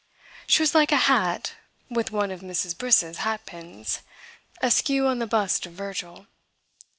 She was like a hat with one of Mrs. Briss's hat pins askew on the bust of Virgil.